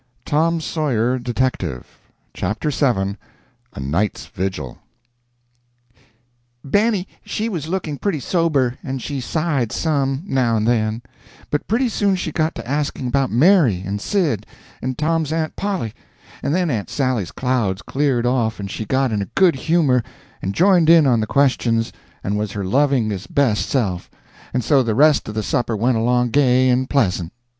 Tom done it elegant. CHAPTER VII. A NIGHT'S VIGIL Benny she was looking pretty sober, and she sighed some, now and then; but pretty soon she got to asking about Mary, and Sid, and Tom's aunt Polly, and then Aunt Sally's clouds cleared off and she got in a good humor and joined in on the questions and was her lovingest best self, and so the rest of the supper went along gay and pleasant.